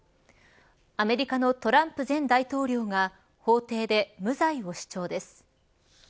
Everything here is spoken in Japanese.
アメリカのトランプ前大統領が法廷で無罪を主張です。